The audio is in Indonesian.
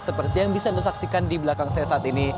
seperti yang bisa anda saksikan di belakang saya saat ini